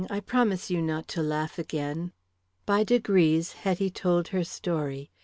I promise you not to laugh again." By degrees Hetty told her story.